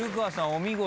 お見事。